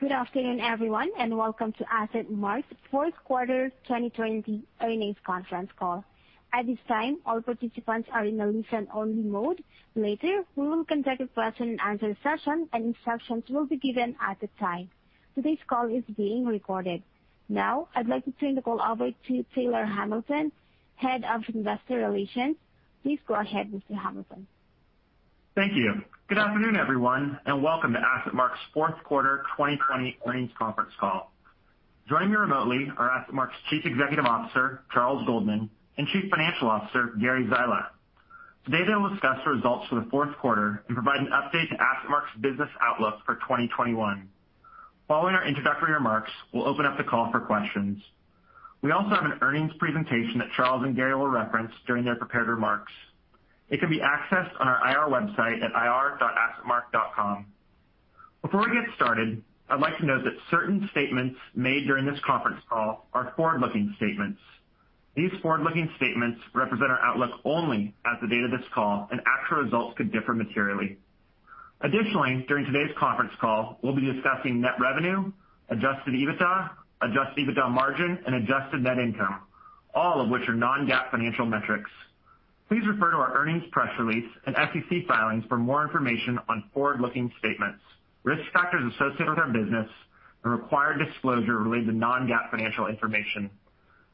Good afternoon, everyone, and welcome to AssetMark's Fourth Quarter 2020 Earnings Conference Call. At this time, all participants are in a listen-only mode. Later, we will conduct a question and answer session, and instructions will be given at the time. Today's call is being recorded. Now, I'd like to turn the call over to Taylor Hamilton, Head of Investor Relations. Please go ahead, Mr. Hamilton. Thank you. Good afternoon, everyone. Welcome to AssetMark's fourth quarter 2020 earnings conference call. Joining me remotely are AssetMark's Chief Executive Officer, Charles Goldman, and Chief Financial Officer, Gary Zyla. Today, they will discuss the results for the fourth quarter and provide an update to AssetMark's business outlook for 2021. Following our introductory remarks, we'll open up the call for questions. We also have an earnings presentation that Charles and Gary will reference during their prepared remarks. It can be accessed on our IR website at ir.assetmark.com. Before we get started, I'd like to note that certain statements made during this conference call are forward-looking statements. These forward-looking statements represent our outlook only as of the date of this call. Actual results could differ materially. Additionally, during today's conference call, we'll be discussing net revenue, adjusted EBITDA, adjusted EBITDA margin, and adjusted net income, all of which are non-GAAP financial metrics. Please refer to our earnings press release and SEC filings for more information on forward-looking statements, risk factors associated with our business, and required disclosure related to non-GAAP financial information.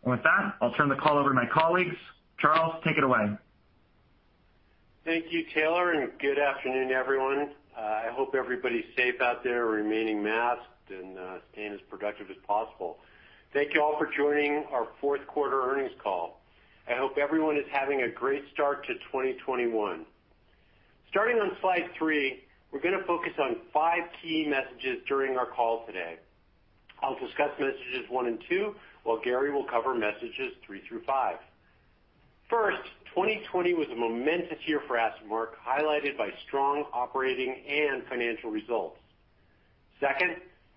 With that, I'll turn the call over to my colleagues. Charles, take it away. Thank you, Taylor. Good afternoon, everyone. I hope everybody's safe out there, remaining masked, and staying as productive as possible. Thank you all for joining our fourth quarter earnings call. I hope everyone is having a great start to 2021. Starting on slide three, we're going to focus on five key messages during our call today. I'll discuss messages one and two, while Gary will cover messages three through five. First, 2020 was a momentous year for AssetMark, highlighted by strong operating and financial results. Second,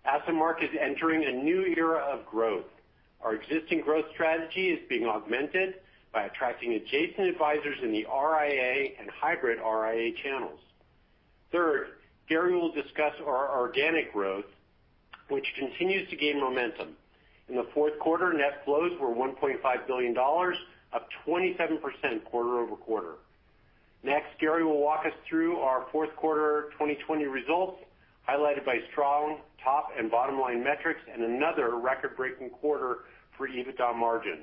AssetMark is entering a new era of growth. Our existing growth strategy is being augmented by attracting adjacent advisors in the RIA and hybrid RIA channels. Third, Gary will discuss our organic growth, which continues to gain momentum. In the fourth quarter, net flows were $1.5 billion, up 27% quarter-over-quarter. Next, Gary Zyla will walk us through our fourth quarter 2020 results, highlighted by strong top and bottom-line metrics and another record-breaking quarter for EBITDA margin.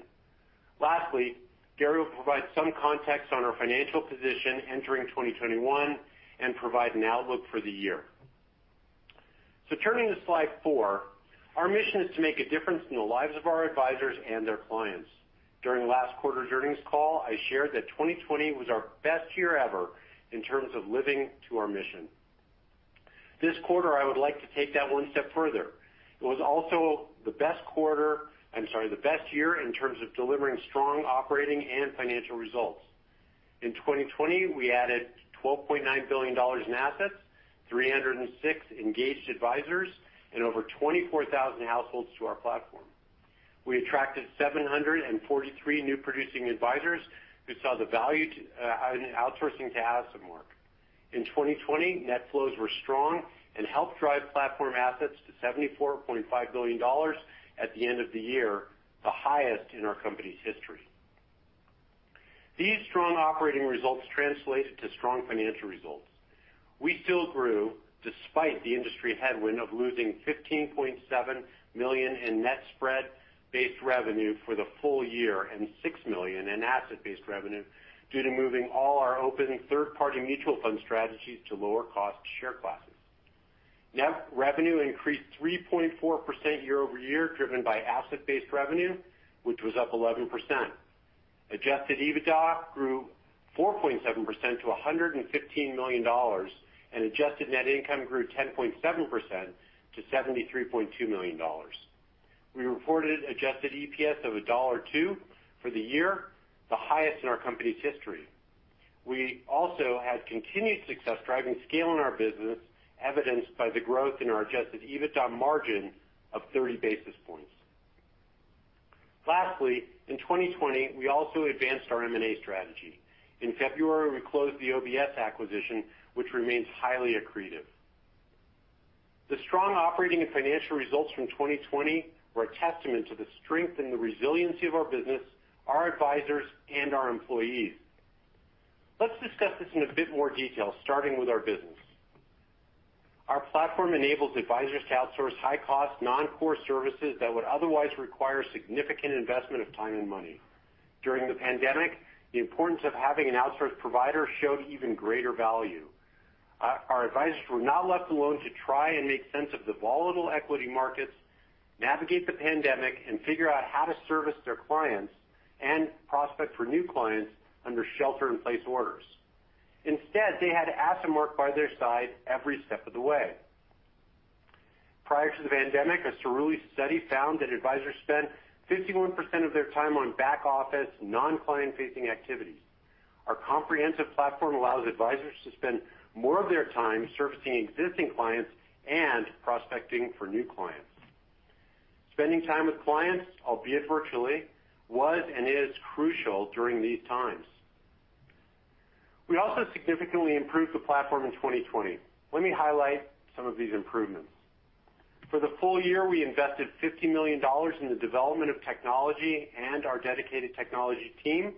Lastly, Gary Zyla will provide some context on our financial position entering 2021 and provide an outlook for the year. Turning to slide four, our mission is to make a difference in the lives of our advisors and their clients. During last quarter's earnings call, I shared that 2020 was our best year ever in terms of living to our mission. This quarter, I would like to take that one step further. It was also the best year in terms of delivering strong operating and financial results. In 2020, we added $12.9 billion in assets, 306 engaged advisors, and over 24,000 households to our platform. We attracted 743 new producing advisors who saw the value to outsourcing to AssetMark. In 2020, net flows were strong and helped drive platform assets to $74.5 billion at the end of the year, the highest in our company's history. These strong operating results translated to strong financial results. We still grew despite the industry headwind of losing $15.7 million in net spread-based revenue for the full year and $6 million in asset-based revenue due to moving all our open third-party mutual fund strategies to lower cost share classes. Net revenue increased 3.4% year-over-year, driven by asset-based revenue, which was up 11%. Adjusted EBITDA grew 4.7% to $115 million, and adjusted net income grew 10.7% to $73.2 million. We reported adjusted EPS of $1.02 for the year, the highest in our company's history. We also had continued success driving scale in our business, evidenced by the growth in our adjusted EBITDA margin of 30 basis points. Lastly, in 2020, we also advanced our M&A strategy. In February, we closed the OBS acquisition, which remains highly accretive. The strong operating and financial results from 2020 were a testament to the strength and the resiliency of our business, our advisors, and our employees. Let's discuss this in a bit more detail, starting with our business. Our platform enables advisors to outsource high cost, non-core services that would otherwise require significant investment of time and money. During the pandemic, the importance of having an outsource provider showed even greater value. Our advisors were not left alone to try and make sense of the volatile equity markets, navigate the pandemic, and figure out how to service their clients and prospect for new clients under shelter-in-place orders. Instead, they had AssetMark by their side every step of the way. Prior to the pandemic, a Cerulli study found that advisors spent 51% of their time on back office, non-client facing activities. Our comprehensive platform allows advisors to spend more of their time servicing existing clients and prospecting for new clients. Spending time with clients, albeit virtually, was and is crucial during these times. We also significantly improved the platform in 2020. Let me highlight some of these improvements. For the full year, we invested $50 million in the development of technology and our dedicated technology team,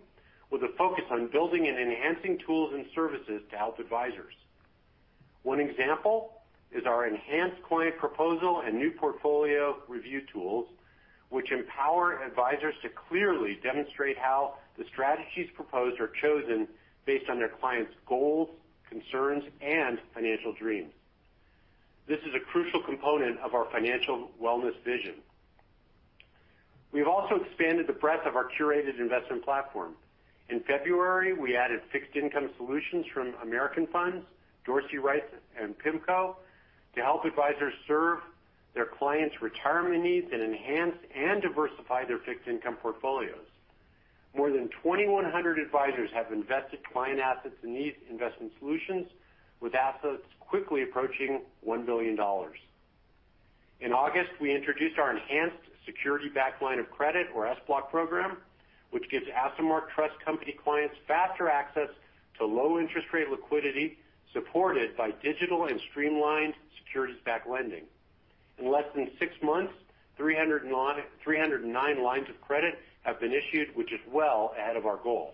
with a focus on building and enhancing tools and services to help advisors. One example is our enhanced client proposal and new portfolio review tools, which empower advisors to clearly demonstrate how the strategies proposed are chosen based on their clients' goals, concerns, and financial dreams. This is a crucial component of our financial wellness vision. We've also expanded the breadth of our curated investment platform. In February, we added fixed income solutions from American Funds, Dorsey Wright and PIMCO to help advisors serve their clients' retirement needs and enhance and diversify their fixed income portfolios. More than 2,100 advisors have invested client assets in these investment solutions, with assets quickly approaching $1 billion. In August, we introduced our enhanced securities-backed line of credit or SBLOC program, which gives AssetMark Trust Company clients faster access to low interest rate liquidity supported by digital and streamlined securities-backed lending. In less than six months, 309 lines of credit have been issued, which is well ahead of our goal.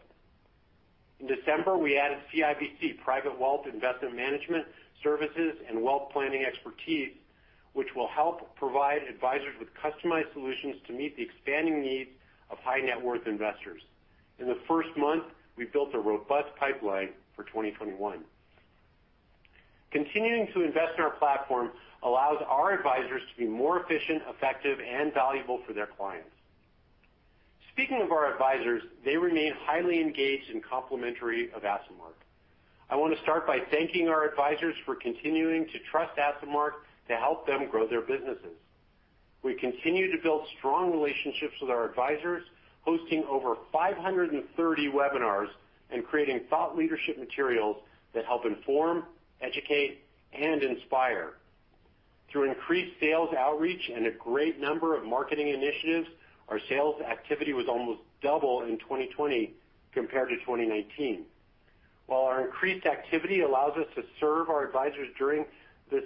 In December, we added CIBC Private Wealth Investment Management services and wealth planning expertise, which will help provide advisors with customized solutions to meet the expanding needs of high net worth investors. In the first month, we built a robust pipeline for 2021. Continuing to invest in our platform allows our advisors to be more efficient, effective, and valuable for their clients. Speaking of our advisors, they remain highly engaged and complimentary of AssetMark. I want to start by thanking our advisors for continuing to trust AssetMark to help them grow their businesses. We continue to build strong relationships with our advisors, hosting over 530 webinars and creating thought leadership materials that help inform, educate, and inspire. Through increased sales outreach and a great number of marketing initiatives, our sales activity was almost double in 2020 compared to 2019. While our increased activity allows us to serve our advisors during this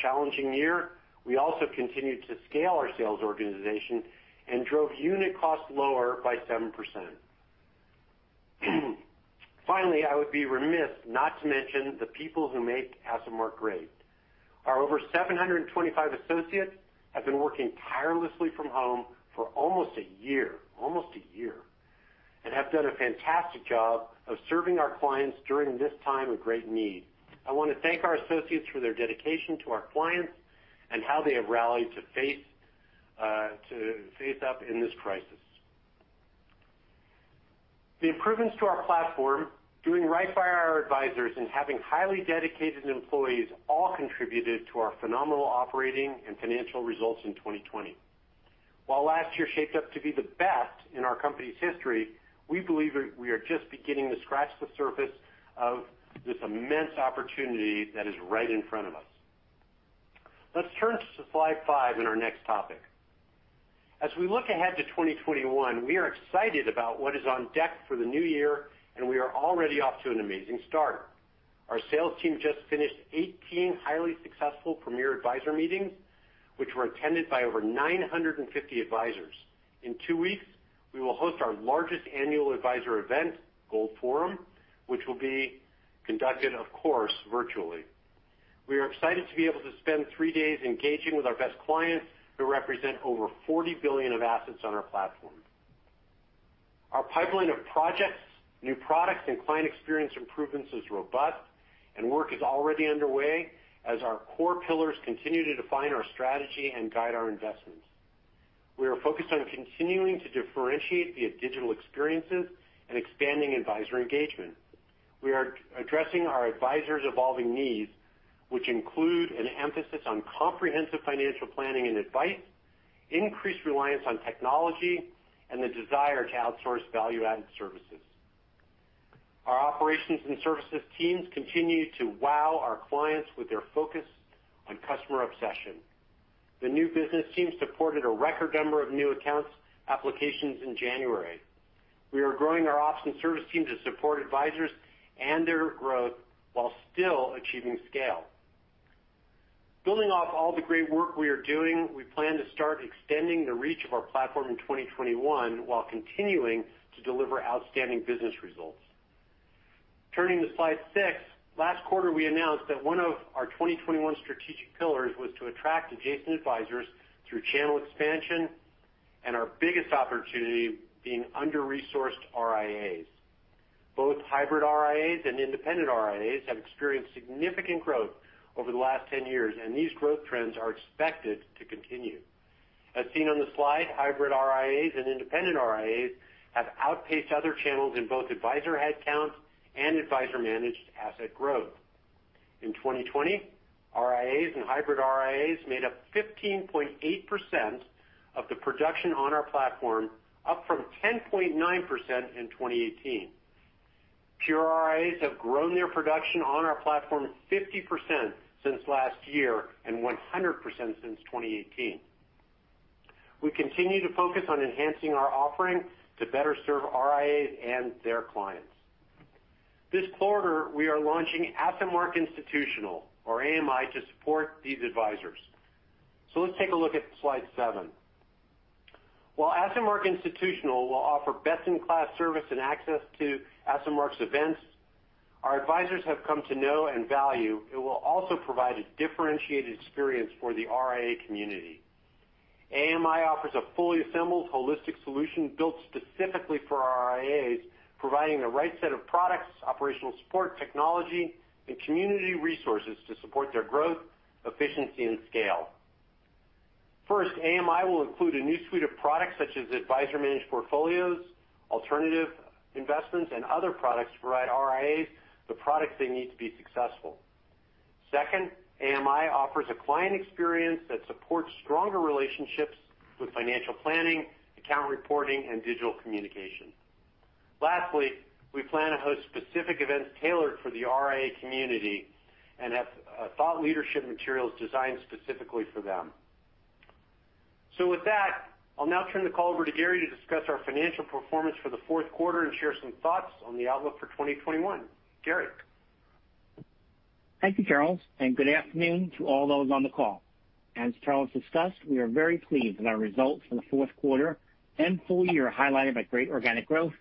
challenging year, we also continued to scale our sales organization and drove unit costs lower by 7%. Finally, I would be remiss not to mention the people who make AssetMark great. Our over 725 associates have been working tirelessly from home for almost a year, and have done a fantastic job of serving our clients during this time of great need. I want to thank our associates for their dedication to our clients and how they have rallied to face up in this crisis. The improvements to our platform, doing right by our advisors, and having highly dedicated employees all contributed to our phenomenal operating and financial results in 2020. While last year shaped up to be the best in our company's history, we believe we are just beginning to scratch the surface of this immense opportunity that is right in front of us. Let's turn to slide five and our next topic. As we look ahead to 2021, we are excited about what is on deck for the new year, and we are already off to an amazing start. Our sales team just finished 18 highly successful premier advisor meetings, which were attended by over 950 advisors. In two weeks, we will host our largest annual advisor event, Gold Forum, which will be conducted, of course, virtually. We are excited to be able to spend three days engaging with our best clients, who represent over $40 billion of assets on our platform. Our pipeline of projects, new products, and client experience improvements is robust and work is already underway as our core pillars continue to define our strategy and guide our investments. We are focused on continuing to differentiate via digital experiences and expanding advisor engagement. We are addressing our advisors' evolving needs, which include an emphasis on comprehensive financial planning and advice, increased reliance on technology, and the desire to outsource value-added services. Our operations and services teams continue to wow our clients with their focus on customer obsession. The new business team supported a record number of new account applications in January. We are growing our ops and service team to support advisors and their growth while still achieving scale. Building off all the great work we are doing, we plan to start extending the reach of our platform in 2021 while continuing to deliver outstanding business results. Turning to slide six. Last quarter, we announced that one of our 2021 strategic pillars was to attract adjacent advisors through channel expansion and our biggest opportunity being under-resourced RIAs. Both hybrid RIAs and independent RIAs have experienced significant growth over the last 10 years, and these growth trends are expected to continue. As seen on the slide, hybrid RIAs and independent RIAs have outpaced other channels in both advisor headcount and advisor managed asset growth. In 2020, RIAs and hybrid RIAs made up 15.8% of the production on our platform, up from 10.9% in 2018. Pure RIAs have grown their production on our platform 50% since last year and 100% since 2018. We continue to focus on enhancing our offering to better serve RIAs and their clients. This quarter, we are launching AssetMark Institutional or AMI to support these advisors. Let's take a look at slide seven. While AssetMark Institutional will offer best-in-class service and access to AssetMark's events, our advisors have come to know and value it will also provide a differentiated experience for the RIA community. AMI offers a fully assembled holistic solution built specifically for RIAs, providing the right set of products, operational support, technology, and community resources to support their growth, efficiency, and scale. First, AMI will include a new suite of products such as Advisor Managed Portfolios, alternative investments, and other products to provide RIAs the products they need to be successful. Second, AMI offers a client experience that supports stronger relationships with financial planning, account reporting, and digital communication. Lastly, we plan to host specific events tailored for the RIA community and have thought leadership materials designed specifically for them. With that, I'll now turn the call over to Gary to discuss our financial performance for the fourth quarter and share some thoughts on the outlook for 2021. Gary. Thank you, Charles, and good afternoon to all those on the call. As Charles discussed, we are very pleased with our results for the fourth quarter and full year, highlighted by great organic growth,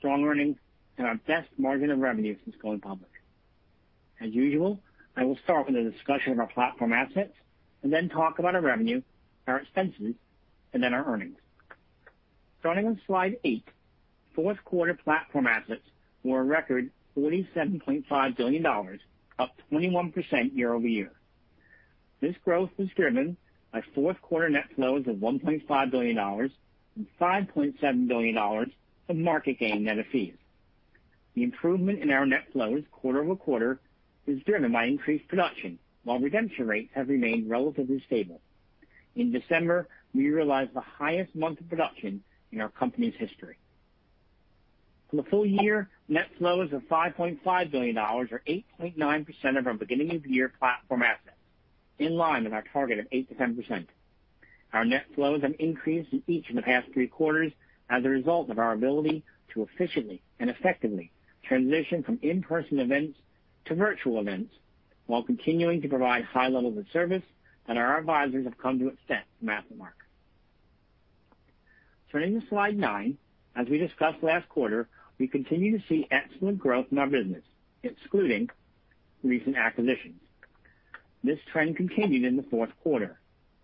strong earnings, and our best margin of revenue since going public. As usual, I will start with a discussion of our platform assets and then talk about our revenue, our expenses, and then our earnings. Starting on slide eight, fourth quarter platform assets were a record $47.5 billion, up 21% year-over-year. This growth was driven by fourth quarter net flows of $1.5 billion and $5.7 billion of market gain net of fees. The improvement in our net flows quarter-over-quarter was driven by increased production, while redemption rates have remained relatively stable. In December, we realized the highest month of production in our company's history. For the full year, net flows of $5.5 billion or 8.9% of our beginning of year platform assets, in line with our target of 8%-10%. Our net flows have increased in each of the past three quarters as a result of our ability to efficiently and effectively transition from in-person events to virtual events while continuing to provide high levels of service that our advisors have come to expect from AssetMark. Turning to slide nine. As we discussed last quarter, we continue to see excellent growth in our business, excluding recent acquisitions. This trend continued in the fourth quarter.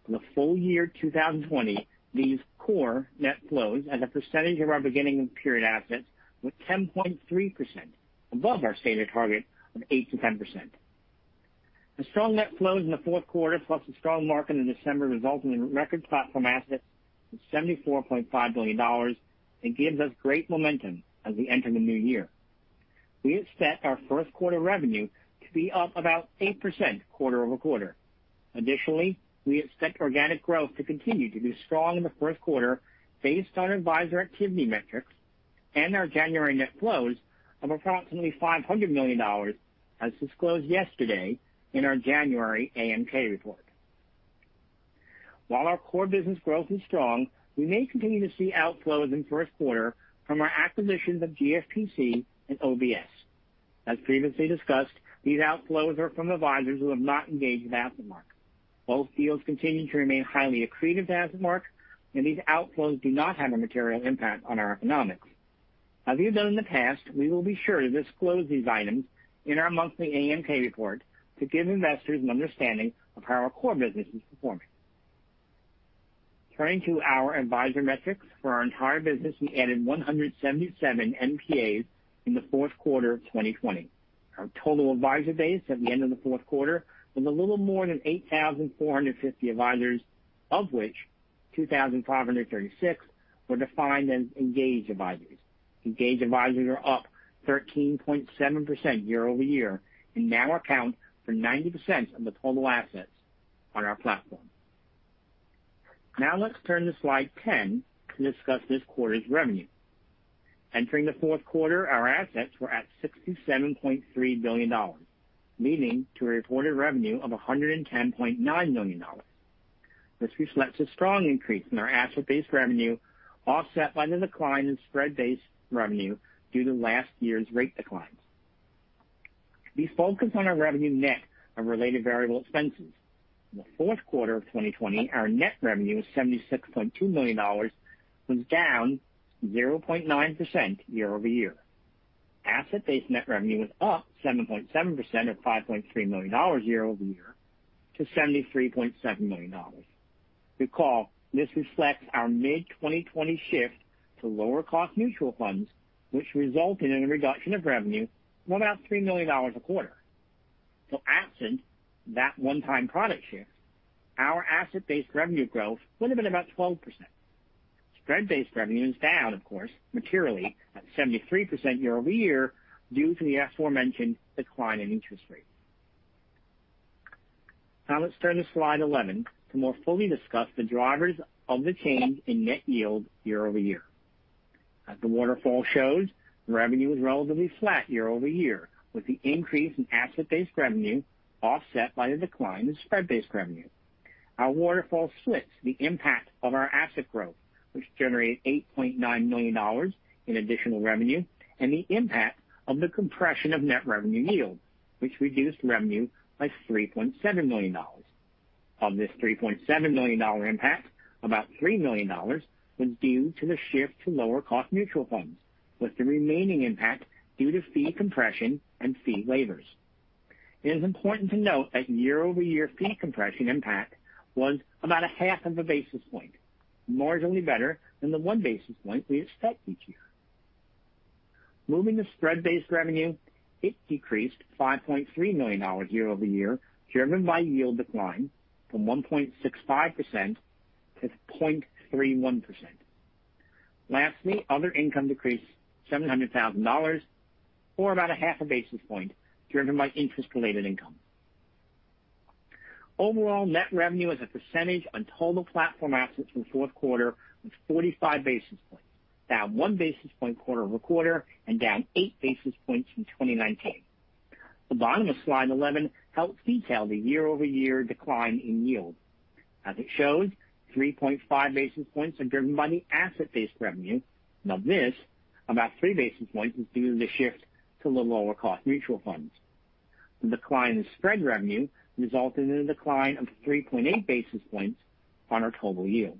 For the full year 2020, these core net flows as a percentage of our beginning of period assets were 10.3%, above our stated target of 8%-10%. The strong net flows in the fourth quarter, plus a strong market in December, result in record platform assets of $74.5 billion and gives us great momentum as we enter the new year. We expect our first quarter revenue to be up about 8% quarter-over-quarter. Additionally, we expect organic growth to continue to be strong in the first quarter based on advisor activity metrics and our January net flows of approximately $500 million, as disclosed yesterday in our January AUM report. While our core business growth is strong, we may continue to see outflows in first quarter from our acquisitions of GFPC and OBS. As previously discussed, these outflows are from advisors who have not engaged with AssetMark. Both deals continue to remain highly accretive to AssetMark, and these outflows do not have a material impact on our economics. As we have done in the past, we will be sure to disclose these items in our monthly AUM report to give investors an understanding of how our core business is performing. Turning to our advisor metrics. For our entire business, we added 177 NPAs in the fourth quarter of 2020. Our total advisor base at the end of the fourth quarter was a little more than 8,450 advisors, of which 2,536 were defined as engaged advisors. Engaged advisors are up 13.7% year-over-year and now account for 90% of the total assets on our platform. Let's turn to slide 10 to discuss this quarter's revenue. Entering the fourth quarter, our assets were at $67.3 billion, leading to a reported revenue of $110.9 million. This reflects a strong increase in our asset-based revenue, offset by the decline in spread-based revenue due to last year's rate declines. We focus on our revenue net of related variable expenses. In the fourth quarter of 2020, our net revenue was $76.2 million, was down 0.9% year-over-year. Asset-based net revenue was up 7.7% or $5.3 million year-over-year to $73.7 million. Recall, this reflects our mid-2020 shift to lower-cost mutual funds, which resulted in a reduction of revenue of about $3 million a quarter. Absent that one-time product shift, our asset-based revenue growth would have been about 12%. Spread-based revenue is down, of course, materially at 73% year-over-year due to the aforementioned decline in interest rates. Let's turn to slide 11 to more fully discuss the drivers of the change in net yield year-over-year. As the waterfall shows, revenue is relatively flat year-over-year, with the increase in asset-based revenue offset by the decline in spread-based revenue. Our waterfall splits the impact of our asset growth, which generated $8.9 million in additional revenue, and the impact of the compression of net revenue yield, which reduced revenue by $3.7 million. Of this $3.7 million impact, about $3 million was due to the shift to lower-cost mutual funds, with the remaining impact due to fee compression and fee waivers. It is important to note that year-over-year fee compression impact was about 0.5 a basis point, marginally better than the 1 basis point we expect each year. Moving to spread-based revenue, it decreased $5.3 million year-over-year, driven by yield decline from 1.65%-0.31%. Lastly, other income decreased $700,000, or about 0.5 a basis point, driven by interest-related income. Overall, net revenue as a percentage on total platform assets from the fourth quarter was 45 basis points, down 1 basis point quarter-over-quarter and down 8 basis points from 2019. The bottom of slide 11 helps detail the year-over-year decline in yield. As it shows, 3.5 basis points are driven by the asset-based revenue. Now, this, about 3 basis points, is due to the shift to the lower-cost mutual funds. The decline in spread revenue resulted in a decline of 3.8 basis points on our total yield.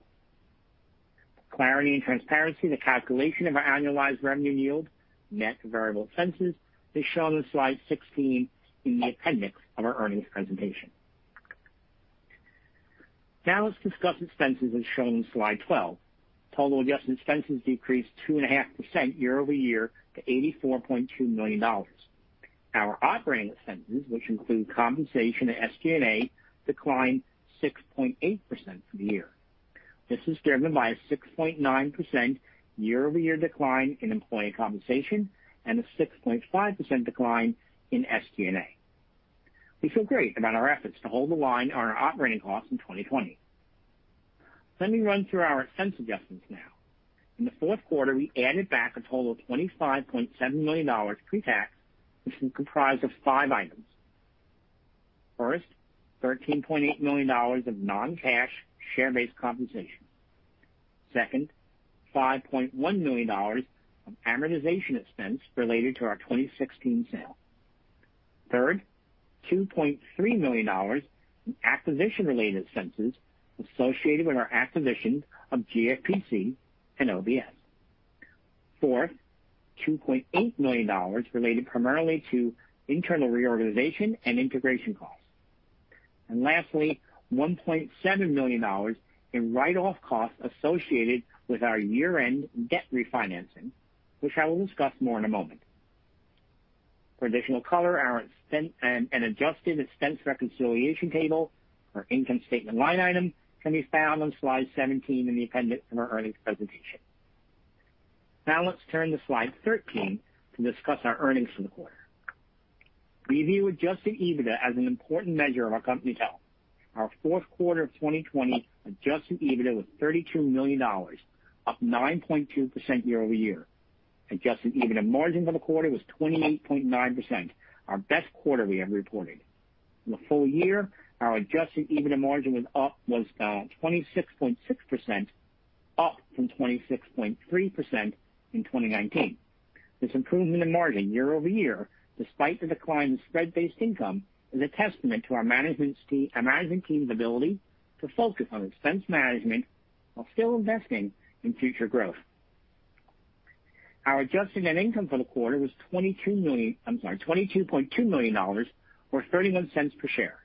For clarity and transparency, the calculation of our annualized revenue yield, net of variable expenses, is shown on slide 16 in the appendix of our earnings presentation. Now let's discuss expenses as shown in slide 12. Total adjusted expenses decreased 2.5% year-over-year to $84.2 million. Our operating expenses, which include compensation and SG&A, declined 6.8% for the year. This is driven by a 6.9% year-over-year decline in employee compensation and a 6.5% decline in SG&A. We feel great about our efforts to hold the line on our operating costs in 2020. Let me run through our expense adjustments now. In the fourth quarter, we added back a total of $25.7 million pre-tax, which is comprised of five items. First, $13.8 million of non-cash share-based compensation. Second, $5.1 million of amortization expense related to our 2016 sale. Third, $2.3 million in acquisition-related expenses associated with our acquisition of GFPC and OBS. Fourth, $2.8 million related primarily to internal reorganization and integration costs. Lastly, $1.7 million in write-off costs associated with our year-end debt refinancing, which I will discuss more in a moment. For additional color, our adjusted expense reconciliation table or income statement line item can be found on slide 17 in the appendix of our earnings presentation. Let's turn to slide 13 to discuss our earnings for the quarter. We view adjusted EBITDA as an important measure of our company's health. Our fourth quarter of 2020 adjusted EBITDA was $32 million, up 9.2% year-over-year. Adjusted EBITDA margin for the quarter was 28.9%, our best quarter we have reported. For the full year, our adjusted EBITDA margin was 26.6%, up from 26.3% in 2019. This improvement in margin year-over-year, despite the decline in spread-based income, is a testament to our management team's ability to focus on expense management while still investing in future growth. Our adjusted net income for the quarter was $22.2 million, or $0.31 per share.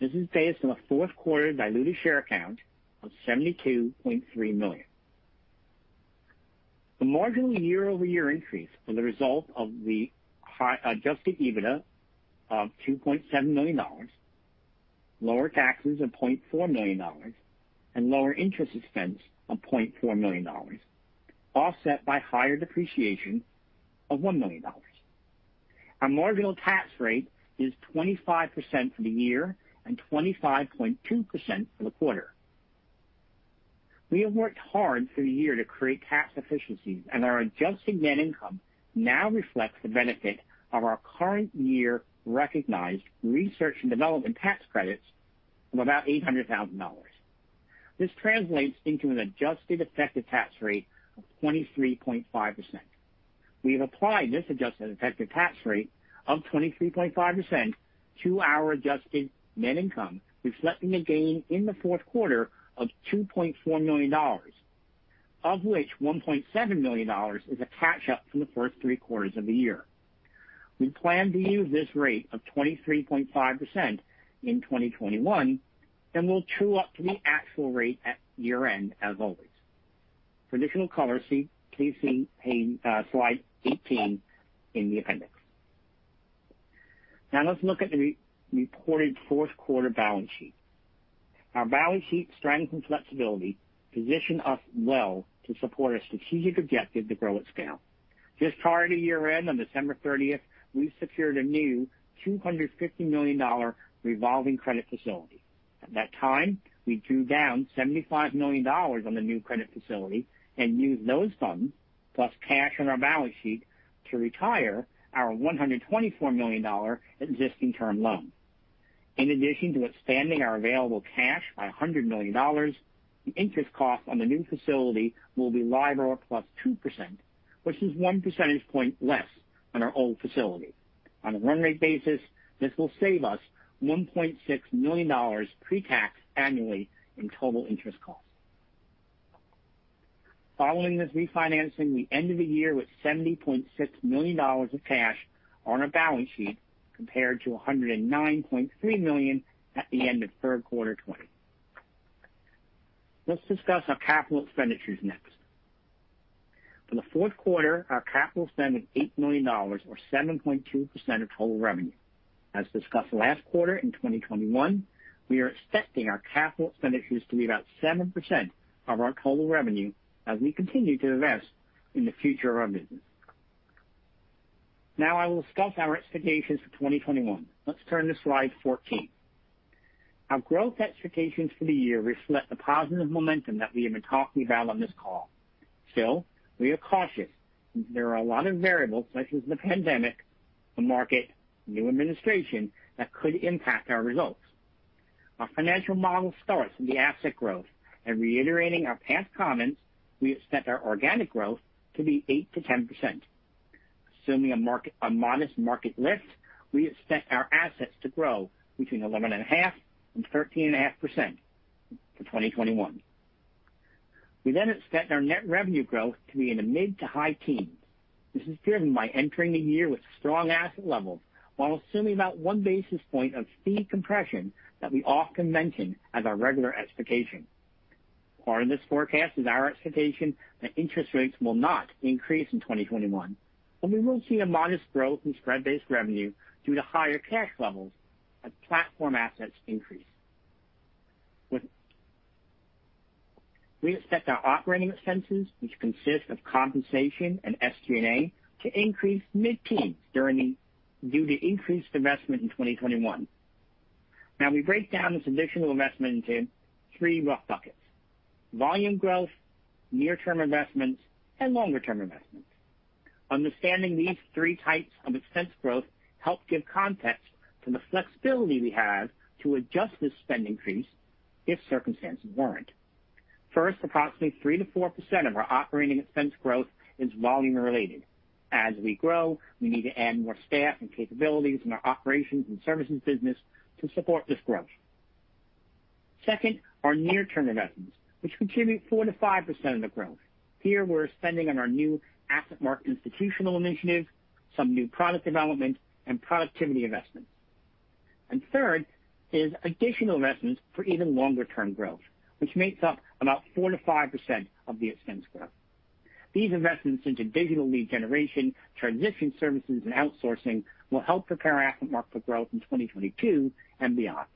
This is based on a fourth quarter diluted share count of 72.3 million. The marginal year-over-year increase was the result of the adjusted EBITDA of $2.7 million, lower taxes of $0.4 million, and lower interest expense of $0.4 million, offset by higher depreciation of $1 million. Our marginal tax rate is 25% for the year and 25.2% for the quarter. We have worked hard through the year to create tax efficiencies, and our adjusted net income now reflects the benefit of our current year recognized research and development tax credits of about $800,000. This translates into an adjusted effective tax rate of 23.5%. We have applied this adjusted effective tax rate of 23.5% to our adjusted net income, reflecting a gain in the fourth quarter of $2.4 million, of which $1.7 million is a catch-up from the first three quarters of the year. We plan to use this rate of 23.5% in 2021, and will true up to the actual rate at year-end as always. For additional color, please see slide 18 in the appendix. Now let's look at the reported fourth quarter balance sheet. Our balance sheet strength and flexibility position us well to support our strategic objective to grow at scale. Just prior to year-end, on December 30th, we secured a new $250 million revolving credit facility. At that time, we drew down $75 million on the new credit facility and used those funds, plus cash on our balance sheet, to retire our $124 million existing term loan. In addition to expanding our available cash by $100 million, the interest cost on the new facility will be LIBOR + 2%, which is 1 percentage point less than our old facility. On a run rate basis, this will save us $1.6 million pre-tax annually in total interest costs. Following this refinancing, we end the year with $70.6 million of cash on our balance sheet, compared to $109.3 million at the end of third quarter 2020. Let's discuss our capital expenditures next. For the fourth quarter, our capital spent was $8 million, or 7.2% of total revenue. As discussed last quarter, in 2021, we are expecting our capital expenditures to be about 7% of our total revenue as we continue to invest in the future of our business. I will discuss our expectations for 2021. Let's turn to slide 14. Our growth expectations for the year reflect the positive momentum that we have been talking about on this call. Still, we are cautious. There are a lot of variables such as the pandemic, the market, new administration, that could impact our results. Our financial model starts with the asset growth. Reiterating our past comments, we expect our organic growth to be 8%-10%. Assuming a modest market lift, we expect our assets to grow between 11.5% and 13.5% for 2021. We then expect our net revenue growth to be in the mid to high teens. This is driven by entering the year with strong asset levels while assuming about 1 basis point of fee compression that we often mention as our regular expectation. Part of this forecast is our expectation that interest rates will not increase in 2021. We will see a modest growth in spread-based revenue due to higher cash levels as platform assets increase. We expect our operating expenses, which consist of compensation and SG&A, to increase mid-teens due to increased investment in 2021. We break down this additional investment into three rough buckets: volume growth, near-term investments, and longer-term investments. Understanding these three types of expense growth help give context to the flexibility we have to adjust this spend increase if circumstances warrant. First, approximately 3%-4% of our operating expense growth is volume related. As we grow, we need to add more staff and capabilities in our operations and services business to support this growth. Second, our near-term investments, which contribute 4%-5% of the growth. Here we're spending on our new AssetMark Institutional initiative, some new product development, and productivity investments. Third is additional investments for even longer-term growth, which makes up about 4%-5% of the expense growth. These investments into digital lead generation, transition services, and outsourcing will help prepare AssetMark for growth in 2022 and beyond.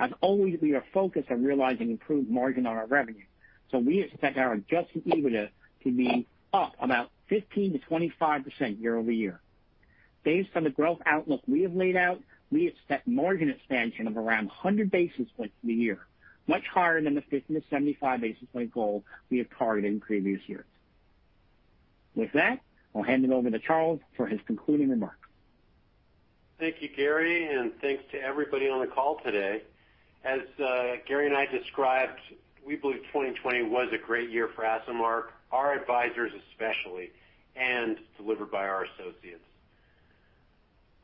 As always, we are focused on realizing improved margin on our revenue. We expect our adjusted EBITDA to be up about 15%-25% year-over-year. Based on the growth outlook we have laid out, we expect margin expansion of around 100 basis points for the year, much higher than the 50-75 basis point goal we have targeted in previous years. With that, I'll hand it over to Charles for his concluding remarks. Thank you, Gary. Thanks to everybody on the call today. As Gary and I described, we believe 2020 was a great year for AssetMark, our advisors especially, and delivered by our associates.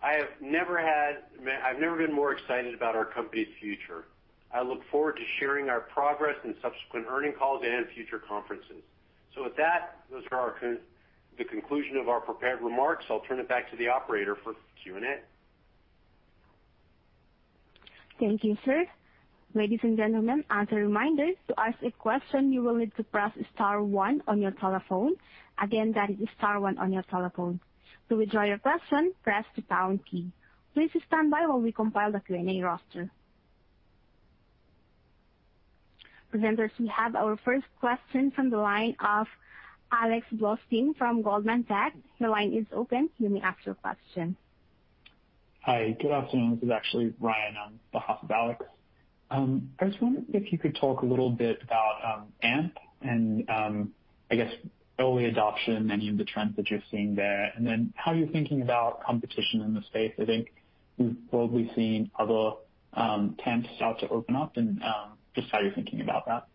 I've never been more excited about our company's future. I look forward to sharing our progress in subsequent earnings calls and future conferences. With that, those are the conclusion of our prepared remarks. I'll turn it back to the operator for Q&A. Thank you, sir. Ladies and gentlemen, as a reminder, to ask a question, you will need to press star one on your telephone. Again, that is star one on your telephone. To withdraw your question, press the pound key. Please stand by while we compile the Q&A roster. Presenters, we have our first question from the line of Alex Blostein from Goldman Sachs. Your line is open. You may ask your question. Hi, good afternoon. This is actually Ryan on behalf of Alex. I was wondering if you could talk a little bit about AMP and, I guess, early adoption, any of the trends that you're seeing there, and then how you're thinking about competition in the space. I think we've broadly seen other TAMPs start to open up and just how you're thinking about that.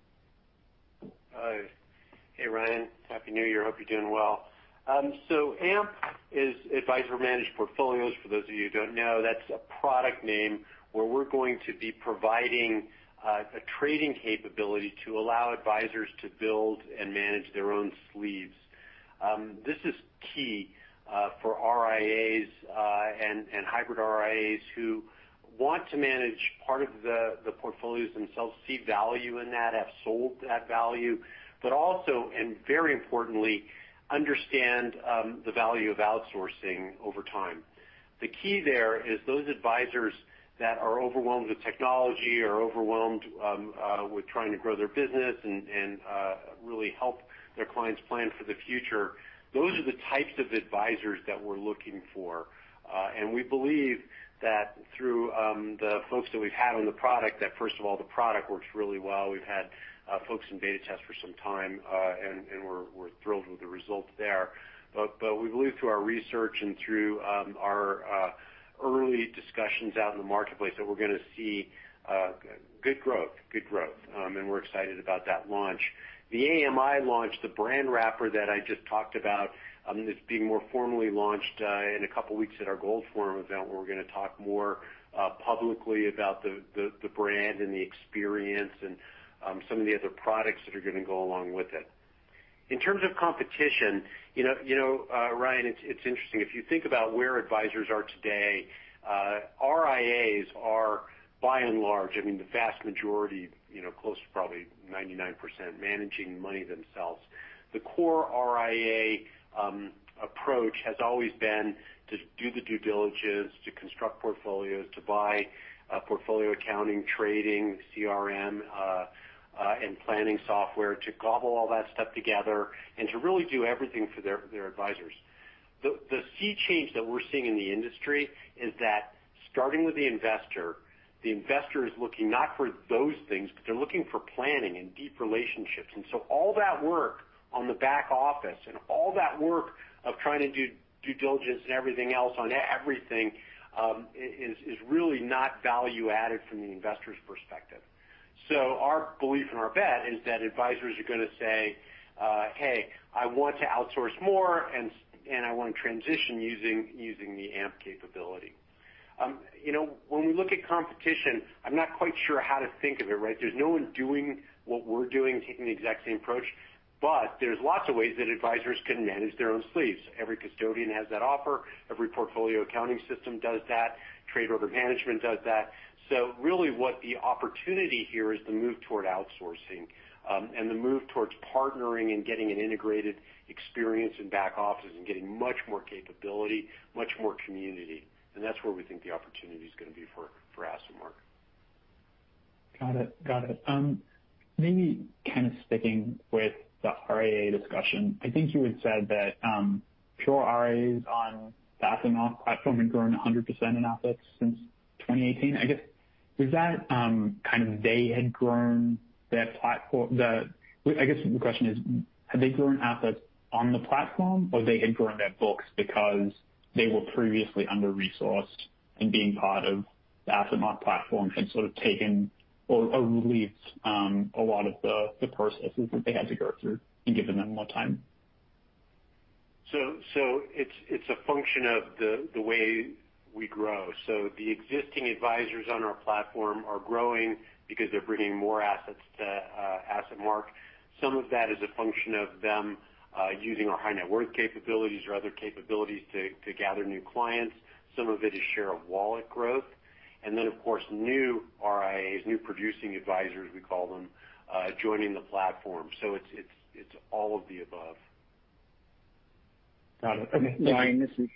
Hey, Ryan. Happy New Year. Hope you're doing well. AMP is Advisor Managed Portfolios. For those of you who don't know, that's a product name where we're going to be providing a trading capability to allow advisors to build and manage their own sleeves. This is key for RIAs and hybrid RIAs who want to manage part of the portfolios themselves, see value in that, have sold that value, but also, and very importantly, understand the value of outsourcing over time. The key there is those advisors that are overwhelmed with technology, are overwhelmed with trying to grow their business and really help their clients plan for the future. Those are the types of advisors that we're looking for. We believe that through the folks that we've had on the product, that first of all, the product works really well. We've had folks in beta test for some time, and we're thrilled with the results there. We believe through our research and through our early discussions out in the marketplace, that we're going to see good growth. We're excited about that launch. The AMI launch, the brand wrapper that I just talked about, is being more formally launched in a couple of weeks at our Gold Forum event, where we're going to talk more publicly about the brand and the experience and some of the other products that are going to go along with it. In terms of competition, you know, Ryan, it's interesting. If you think about where advisors are today, RIAs are by and large, I mean, the vast majority, close to probably 99%, managing money themselves. The core RIA approach has always been to do the due diligence, to construct portfolios, to buy portfolio accounting, trading, CRM, and planning software, to gobble all that stuff together, and to really do everything for their advisors. The sea change that we're seeing in the industry is that starting with the investor, the investor is looking not for those things, but they're looking for planning and deep relationships. All that work on the back office and all that work of trying to do due diligence and everything else on everything, is really not value added from the investor's perspective. Our belief and our bet is that advisors are going to say, hey, I want to outsource more, and I want to transition using the AMP capability. You know, when we look at competition, I'm not quite sure how to think of it, right? There's no one doing what we're doing, taking the exact same approach. But, there's lots of ways that advisors can manage their own sleeves. Every custodian has that offer. Every portfolio accounting system does that. Trade order management does that. Really what the opportunity here is to move toward outsourcing. The move towards partnering and getting an integrated experience in back offices and getting much more capability, much more community. That's where we think the opportunity is going to be for AssetMark. Got it. Kind of sticking with the RIA discussion. I think you had said that pure RIAs on the AssetMark platform had grown 100% in assets since 2018. I guess the question is, have they grown assets on the platform, or they had grown their books because they were previously under-resourced and being part of the AssetMark platform had sort of taken or relieved a lot of the processes that they had to go through in giving them more time? It's a function of the way we grow. The existing advisors on our platform are growing because they're bringing more assets to AssetMark. Some of that is a function of them using our high net worth capabilities or other capabilities to gather new clients. Some of it is share of wallet growth. Then, of course, new RIAs, new producing advisors, we call them, joining the platform. It's all of the above. Got it. Okay.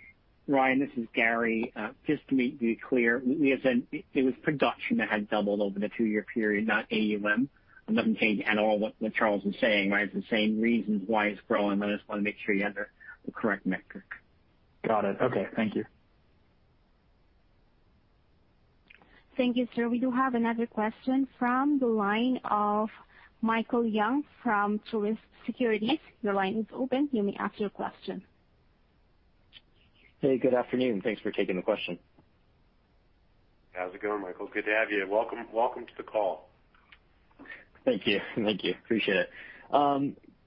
Ryan, this is Gary. Just to be clear, we had said it was production that had doubled over the two-year period, not AUM. It doesn't change at all what Charles is saying. It's the same reasons why it's growing, but I just want to make sure you had the correct metric. Got it. Okay. Thank you. Thank you, sir. We do have another question from the line of Michael Young from Truist Securities. Your line is open. You may ask your question. Hey, good afternoon. Thanks for taking the question. How's it going, Michael? It's good to have you. Welcome to the call. Thank you. Appreciate it.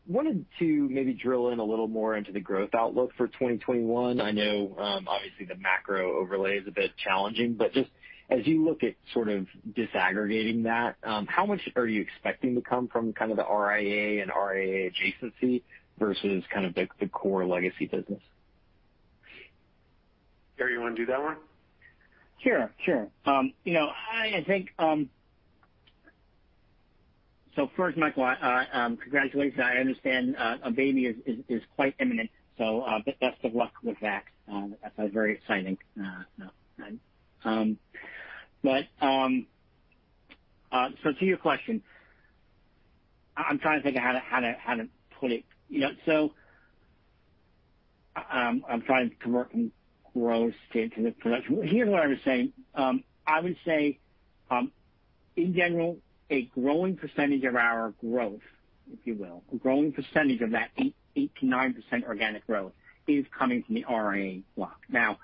Wanted to maybe drill in a little more into the growth outlook for 2021. I know obviously the macro overlay is a bit challenging, but just as you look at sort of disaggregating that, how much are you expecting to come from kind of the RIA and RIA adjacency versus kind of the core legacy business? Gary, you want to do that one? Sure. First, Michael, congratulations. I understand a baby is quite imminent, best of luck with that. That's very exciting. To your question, I'm trying to think of how to put it. I'm trying to convert growth into the production. Here's what I was saying. I would say, in general, a growing percentage of our growth, if you will, a growing percentage of that 8%-9% organic growth is coming from the RIA block. Now,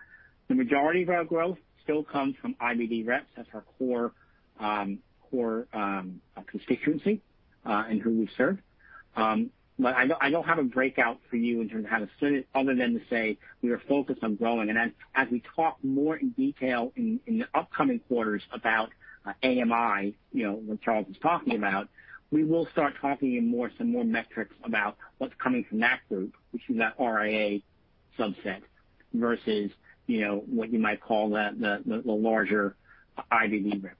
the majority of our growth still comes from IBD reps. That's our core constituency and who we serve. I don't have a breakout for you in terms of how to split it other than to say we are focused on growing. As we talk more in detail in the upcoming quarters about AMI, you know, what Charles was talking about, we will start talking in some more metrics about what's coming from that group, which is that RIA subset versus what you might call the larger IBD group.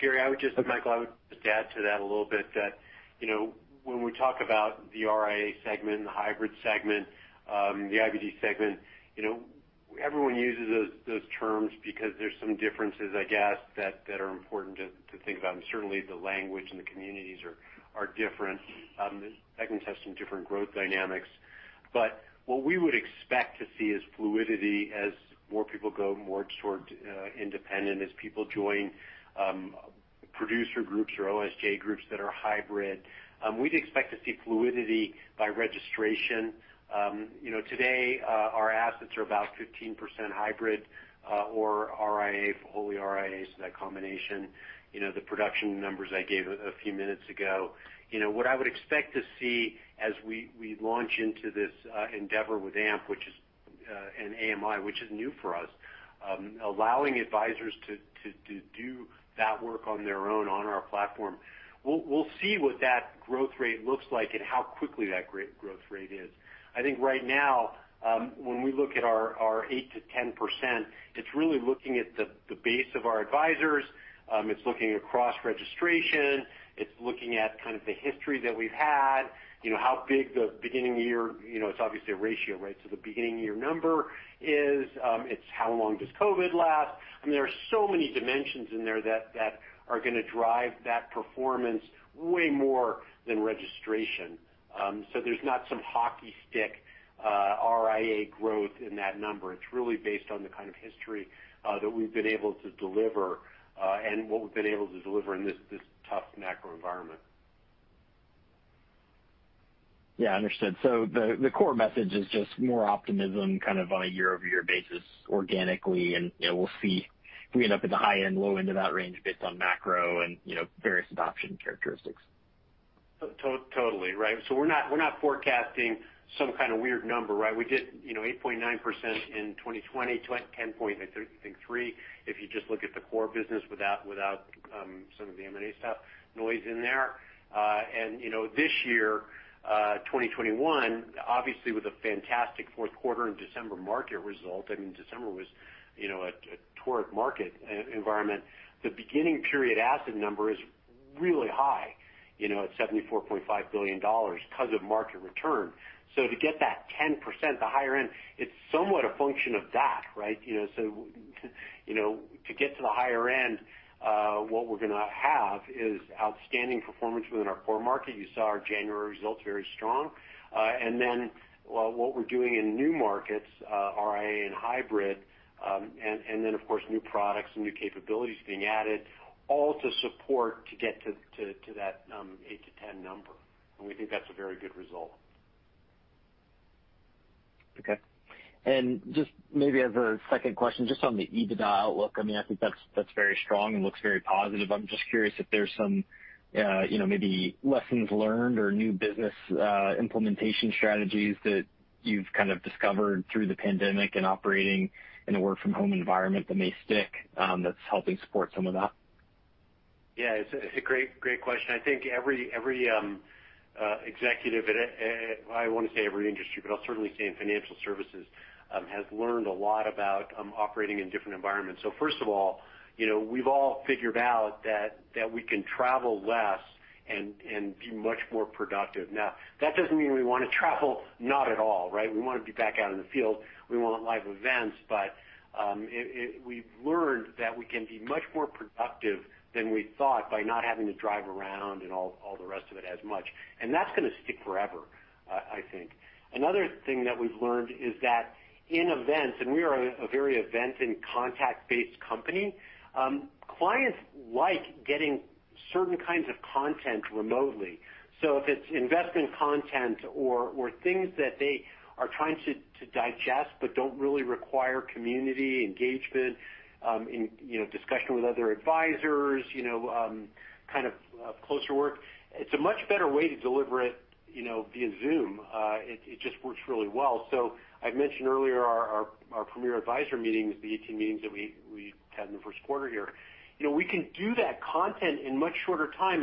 Gary, I would just add to that a little bit that, you know, when we talk about the RIA segment and the hybrid segment, the IBD segment, you know, everyone uses those terms because there's some differences, I guess, that are important to think about, and certainly the language and the communities are different. The segments have some different growth dynamics. What we would expect to see is fluidity as more people go more toward independent, as people join producer groups or OSJ groups that are hybrid. We'd expect to see fluidity by registration. Today, our assets are about 15% hybrid or RIA, fully RIAs, that combination, the production numbers I gave a few minutes ago What I would expect to see as we launch into this endeavor with AMP and AMI, which is new for us, allowing advisors to do that work on their own on our platform. We'll see what that growth rate looks like and how quickly that growth rate is. I think right now, when we look at our 8%-10%, it's really looking at the base of our advisors. It's looking across registration. It's looking at the history that we've had, you know, how big the beginning of year, you know, It's obviously a ratio, right? The beginning of year number is, it's how long does COVID last? I mean, there are so many dimensions in there that are going to drive that performance way more than registration. There's not some hockey stick RIA growth in that number. It's really based on the kind of history that we've been able to deliver and what we've been able to deliver in this tough macro environment. Yeah, understood. The core message is just more optimism on a year-over-year basis organically, and we'll see if we end up at the high end, low end of that range based on macro and, you know, various adoption characteristics. Totally. Right. We're not forecasting some kind of weird number, right? We did 8.9% in 2020, 10.3% if you just look at the core business without some of the M&A stuff noise in there. You know, this year, 2021, obviously with a fantastic fourth quarter and December market result. I mean, December was, you know, a torrid market environment. The beginning period asset number is really high. It's $74.5 billion because of market return. To get that 10%, the higher end, it's somewhat a function of that, right? To get to the higher end, what we're going to have is outstanding performance within our core market. You saw our January results very strong. Then what we're doing in new markets, RIA and hybrid, of course new products and new capabilities being added all to support to get to that 8% to 10% number. We think that's a very good result. Okay. Just maybe as a second question, just on the EBITDA outlook, I think that's very strong and looks very positive. I'm just curious if there's some maybe lessons learned or new business implementation strategies that you've discovered through the pandemic and operating in a work from home environment that may stick that's helping support some of that? It's a great question. I think every executive at, I don't want to say every industry, but I'll certainly say in financial services, has learned a lot about operating in different environments. First of all, you know, we've all figured out that we can travel less and be much more productive. That doesn't mean we want to travel not at all, right? We want to be back out in the field. We want live events. But, we've learned that we can be much more productive than we thought by not having to drive around and all the rest of it as much. That's going to stick forever, I think. Another thing that we've learned is that in events, and we are a very event and contact-based company, clients like getting certain kinds of content remotely. If it's investment content or things that they are trying to digest but don't really require community engagement, you know, discussion with other advisors, you know, kind of closer work, it's a much better way to deliver it, you know, via Zoom. It just works really well. So, I mentioned earlier our premier advisor meetings, the 18 meetings that we had in the first quarter here. You know, we can do that content in much shorter time.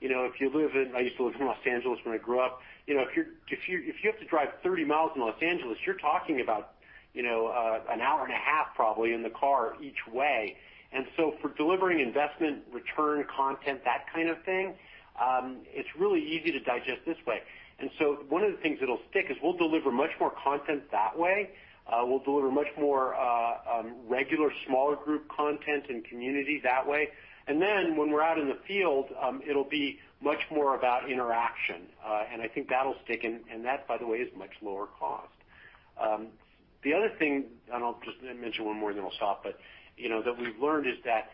You know, if you live in I used to live in Los Angeles when I grew up. You know, if you have to drive 30 miles in Los Angeles, you're talking about, you know, an hour and a half probably in the car each way. For delivering investment return content, that kind of thing, it's really easy to digest this way. And so, one of the things that'll stick is we'll deliver much more content that way. We'll deliver much more regular smaller group content and community that way. And then when we're out in the field, it'll be much more about interaction. I think that'll stick. That, by the way, is much lower cost. The other thing, I'll just mention one more then I'll stop, that, you know, we've learned is that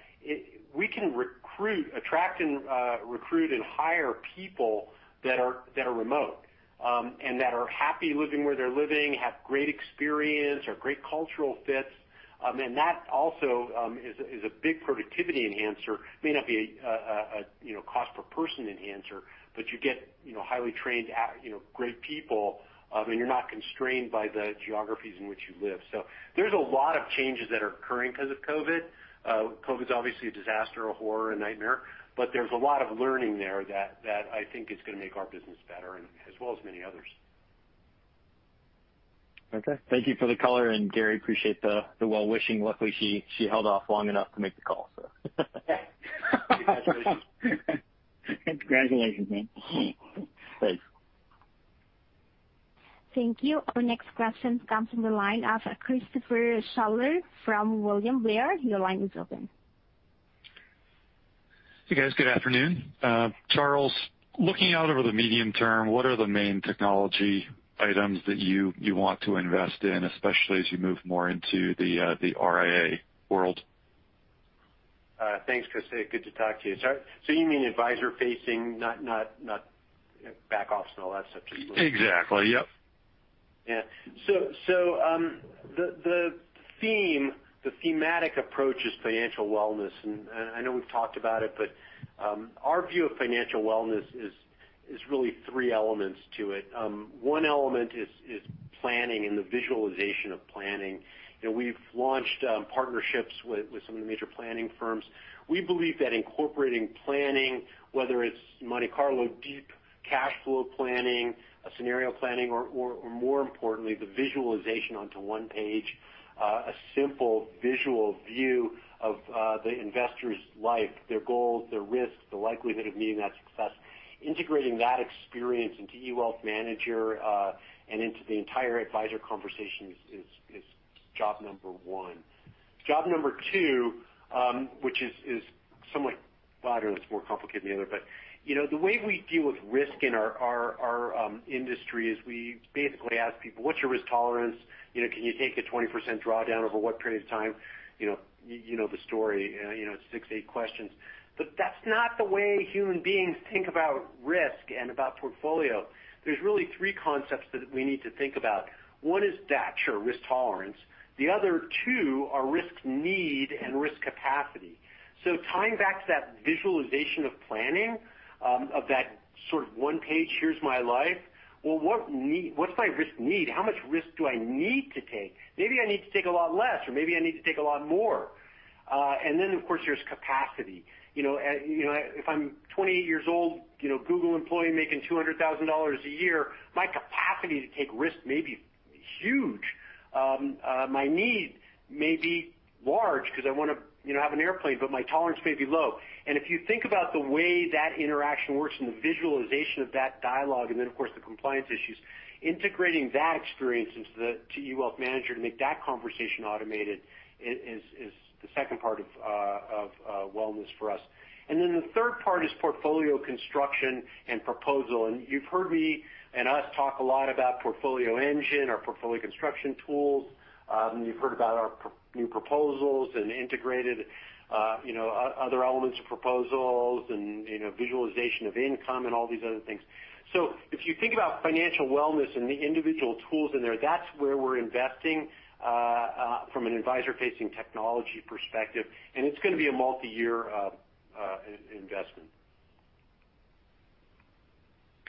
we can recruit, attract and recruit and hire people that are remote, and that are happy living where they're living, have great experience, are great cultural fits. I mean, that also is a big productivity enhancer. May not be a cost per person enhancer, but you get highly trained great people, and you're not constrained by the geographies in which you live. There's a lot of changes that are occurring because of COVID. COVID's obviously a disaster, a horror, a nightmare. There's a lot of learning there that I think is going to make our business better and as well as many others. Okay. Thank you for the color and Gary, appreciate the well-wishing. Luckily, she held off long enough to make the call. Congratulations. Thanks. Thank you. Our next question comes from the line of Christopher Shutler from William Blair. Hey, guys. Good afternoon. Charles, looking out over the medium term, what are the main technology items that you want to invest in, especially as you move more into the RIA world? Thanks, Chris. Good to talk to you. You mean advisor facing, not back office and all that stuff. Exactly. Yep. Yeah. The thematic approach is financial wellness. I know we've talked about it, but our view of financial wellness is really three elements to it. One element is planning and the visualization of planning. We've launched partnerships with some of the major planning firms. We believe that incorporating planning, whether it's Monte Carlo deep cash flow planning, scenario planning, or more importantly, the visualization onto one page, a simple visual view of the investor's life, their goals, their risks, the likelihood of meeting that success. Integrating that experience into eWealthManager, and into the entire advisor conversation is job number one. Job number two, which is somewhat broader, and it's more complicated than the other, but the way we deal with risk in our industry is we basically ask people, what's your risk tolerance? Can you take a 20% drawdown over what period of time? You know the story. It's six to eight questions. That's not the way human beings think about risk and about portfolio. There's really three concepts that we need to think about. One is that, sure, risk tolerance. The other two are risk need and risk capacity. Tying back to that visualization of planning, of that sort of one page, here's my life. What's my risk need? How much risk do I need to take? Maybe I need to take a lot less, or maybe I need to take a lot more. Then, of course, there's capacity. You know, if I'm a 28 years old Google employee making $200,000 a year, my capacity to take risk may be huge. My need may be large because I want to have an airplane, but my tolerance may be low. If you think about the way that interaction works and the visualization of that dialogue, then, of course, the compliance issues, integrating that experience into the eWealthManager to make that conversation automated is the second part of wellness for us. Then the third part is portfolio construction and proposal. You've heard me and us talk a lot about PortfolioEngine, our portfolio construction tools. You've heard about our new proposals and integrated other elements of proposals and visualization of income and all these other things. If you think about financial wellness and the individual tools in there, that's where we're investing from an advisor-facing technology perspective, and it's going to be a multi-year investment.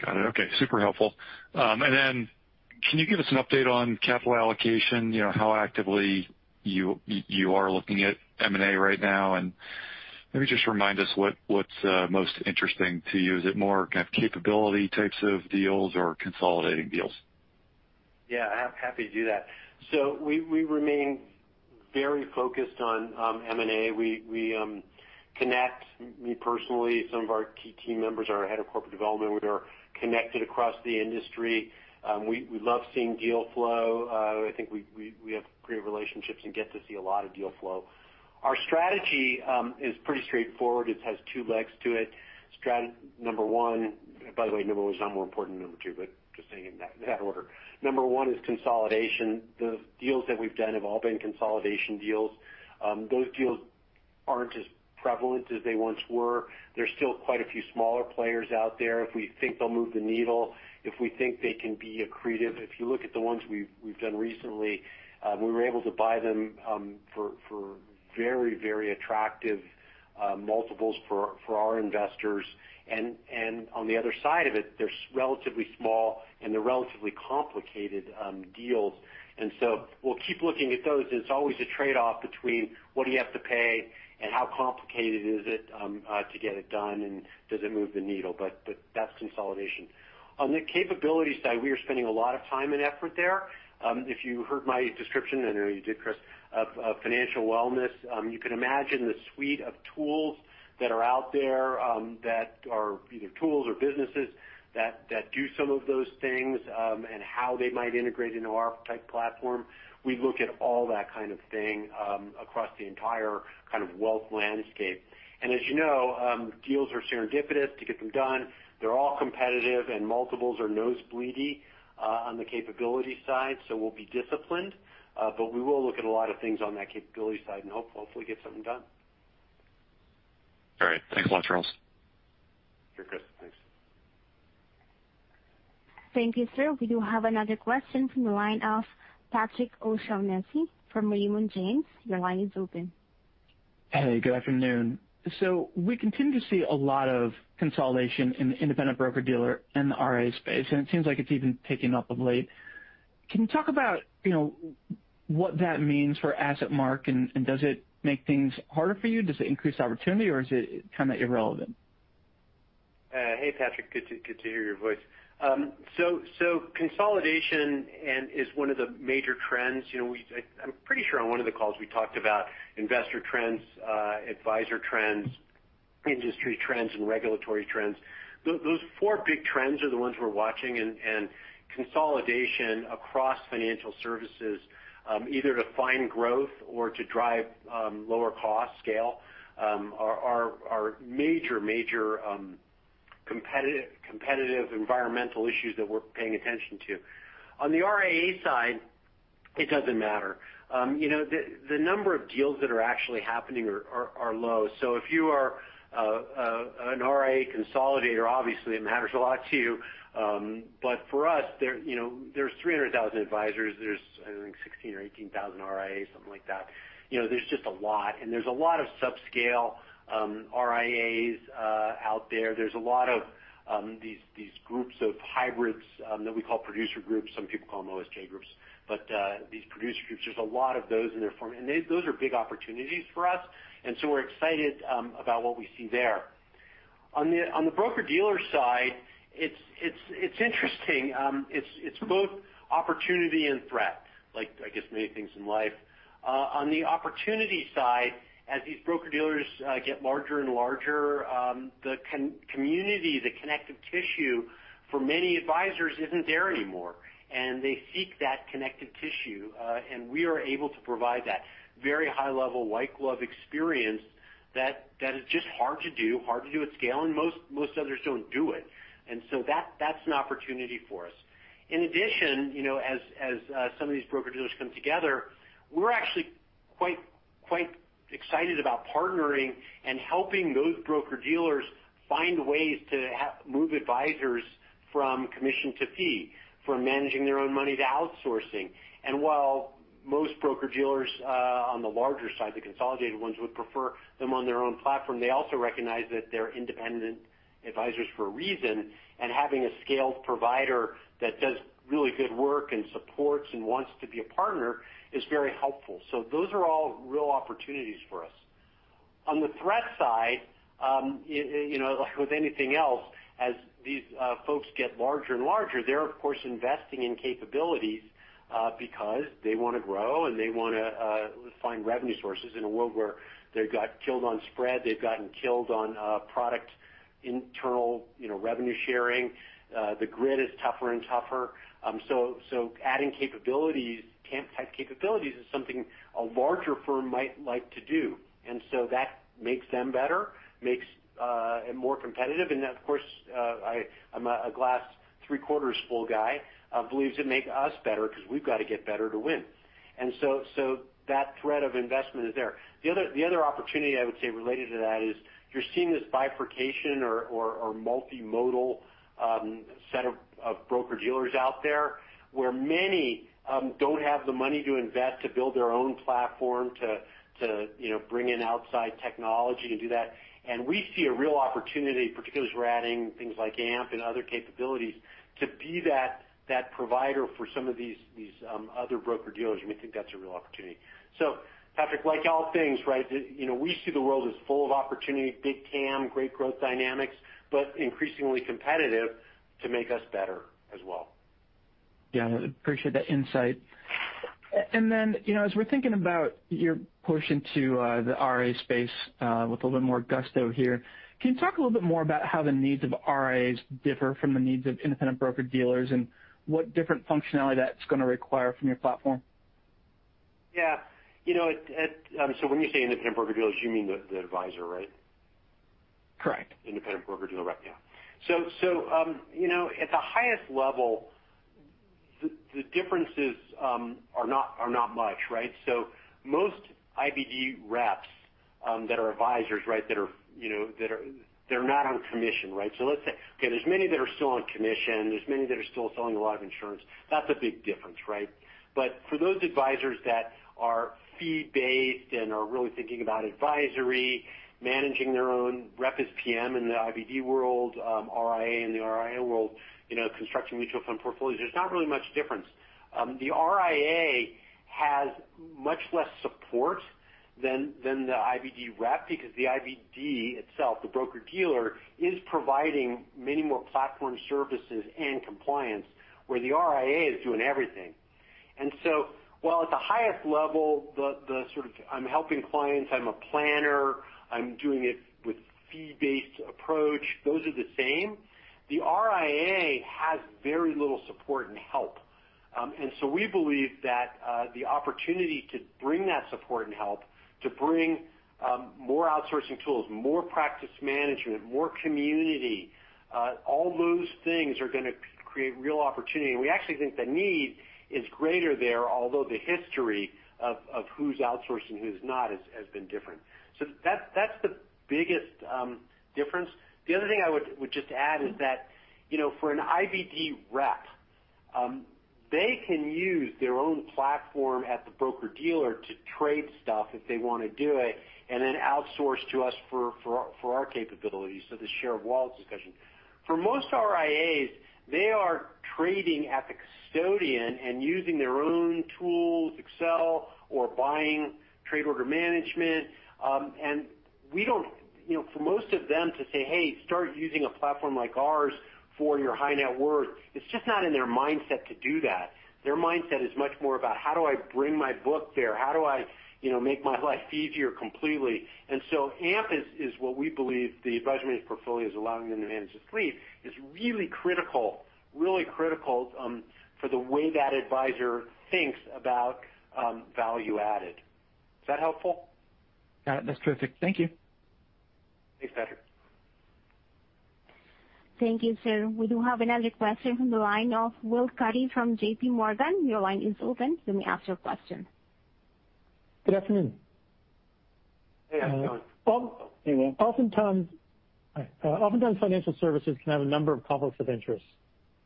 Got it. Okay. Super helpful. Can you give us an update on capital allocation, how actively you are looking at M&A right now? Maybe just remind us what's most interesting to you. Is it more kind of capability types of deals or consolidating deals? Yeah, happy to do that. We remain very focused on M&A. We connect, me personally, some of our key team members, our head of corporate development, we are connected across the industry. We love seeing deal flow. I think we have great relationships and get to see a lot of deal flow. Our strategy is pretty straightforward. It has two legs to it. Strategy number one. By the way, number 1 is not more important than number two, but just saying it in that order. Number one is consolidation. The deals that we've done have all been consolidation deals. Those deals aren't as prevalent as they once were. There's still quite a few smaller players out there. If we think they'll move the needle, if we think they can be accretive. If you look at the ones we've done recently, we were able to buy them for very attractive multiples for our investors. On the other side of it, they're relatively small and they're relatively complicated deals. And so, we'll keep looking at those. It's always a trade-off between what do you have to pay and how complicated is it to get it done, and does it move the needle? That's consolidation. On the capabilities side, we are spending a lot of time and effort there. If you heard my description, and I know you did, Chris, of financial wellness, you can imagine the suite of tools that are out there that are either tools or businesses that do some of those things, and how they might integrate into our type platform. We look at all that kind of thing across the entire wealth landscape. As you know, deals are serendipitous to get them done. They're all competitive, and multiples are nosebleed-y on the capability side. We'll be disciplined, but we will look at a lot of things on that capability side and hopefully get something done. All right. Thanks a lot, Charles. Sure, Chris. Thanks. Thank you, sir. We do have another question from the line of Patrick O'Shaughnessy from Raymond James. Your line is open. Hey, good afternoon. We continue to see a lot of consolidation in the independent broker-dealer and the RIA space, and it seems like it's even picking up of late. Can you talk about what that means for AssetMark and does it make things harder for you? Does it increase opportunity, or is it kind of irrelevant? Hey, Patrick. Good to hear your voice. Consolidation is one of the major trends. I'm pretty sure on one of the calls we talked about investor trends, advisor trends, industry trends, and regulatory trends. Those four big trends are the ones we're watching, and consolidation across financial services, either to find growth or to drive lower cost scale, are major competitive environmental issues that we're paying attention to. On the RIA side, it doesn't matter. You know, the number of deals that are actually happening are low. If you are an RIA consolidator, obviously it matters a lot to you. But for us, there's 300,000 advisors, there's, I think, 16,000 or 18,000 RIAs, something like that. You know, there's just a lot, and there's a lot of sub-scale RIAs out there. There's a lot of these groups of hybrids that we call producer groups. Some people call them OSJ groups. These producer groups, there's a lot of those in their form, and those are big opportunities for us. We're excited about what we see there. On the broker-dealer side, it's interesting. It's both opportunity and threat, like, I guess many things in life. On the opportunity side, as these broker-dealers get larger and larger, the community, the connective tissue for many advisors isn't there anymore, and they seek that connective tissue, and we are able to provide that very high-level, white-glove experience that is just hard to do, hard to do at scale, and most others don't do it. That's an opportunity for us. In addition, you know, as some of these broker-dealers come together, we're actually quite excited about partnering and helping those broker-dealers find ways to move advisors from commission to fee, from managing their own money to outsourcing. While most broker-dealers on the larger side, the consolidated ones, would prefer them on their own platform, they also recognize that they're independent advisors for a reason, and having a scaled provider that does really good work and supports and wants to be a partner is very helpful. Those are all real opportunities for us. On the threat side, you know, like with anything else, as these folks get larger and larger, they're, of course, investing in capabilities because they want to grow and they want to find revenue sources in a world where they've got killed on spread, they've gotten killed on product internal revenue sharing. The grid is tougher and tougher. Adding capabilities, TAMP-type capabilities, is something a larger firm might like to do. That makes them better, and more competitive. Of course, I'm a glass three-quarters full guy, believes it'd make us better because we've got to get better to win. That threat of investment is there. The other opportunity I would say related to that is you're seeing this bifurcation or multimodal set of broker-dealers out there where many don't have the money to invest to build their own platform to bring in outside technology to do that. We see a real opportunity, particularly as we're adding things like AMP and other capabilities, to be that provider for some of these other broker-dealers. We think that's a real opportunity. Patrick, like all things, we see the world as full of opportunity, big TAM, great growth dynamics, but increasingly competitive to make us better as well. Yeah. Appreciate that insight. As we're thinking about your push into the RIA space with a little more gusto here, can you talk a little bit more about how the needs of RIAs differ from the needs of independent broker-dealers, and what different functionality that's going to require from your platform? Yeah. When you say independent broker-dealers, you mean the advisor, right? Correct. Independent broker-dealer rep, yeah. You know, at the highest level, the differences are not much, right? Most IBD reps that are advisors that are not on commission. Let's say, okay, there's many that are still on commission, there's many that are still selling a lot of insurance. That's a big difference. For those advisors that are fee-based and are really thinking about advisory, managing their own rep as PM in the IBD world, RIA in the RIA world, you know, constructing mutual fund portfolios, there's not really much difference. The RIA has much less support than the IBD rep because the IBD itself, the broker-dealer, is providing many more platform services and compliance, where the RIA is doing everything. While at the highest level, the sort of, I'm helping clients, I'm a planner, I'm doing it with fee-based approach. Those are the same. The RIA has very little support and help. We believe that the opportunity to bring that support and help, to bring more outsourcing tools, more practice management, more community, all those things are going to create real opportunity. We actually think the need is greater there, although the history of who's outsourcing, who's not, has been different. That's the biggest difference. The other thing I would just add is that for an IBD rep, they can use their own platform at the broker-dealer to trade stuff if they want to do it, and then outsource to us for our capabilities. The share of wallet discussion. For most RIAs, they are trading at the custodian and using their own tools, Excel, or buying trade order management. You know, for most of them to say: Hey, start using a platform like ours for your high net worth, it's just not in their mindset to do that. Their mindset is much more about how do I bring my book there? How do I make my life easier completely? AMP is what we believe the Advisor Managed Portfolios is allowing them to manage with ease is really critical for the way that advisor thinks about value added. Is that helpful? Got it. That's terrific. Thank you. Thanks, Patrick. Thank you, sir. We do have another question from the line of Will Cuddy from JPMorgan. Your line is open. You may ask your question. Good afternoon. Hey, how's it going? Hey, Will. Oftentimes financial services can have a number of conflicts of interest,